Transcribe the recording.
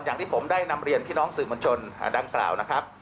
อย่างที่ผมได้นำเรียนพี่น้องสื่อมวลชนดังกล่าวนะครับ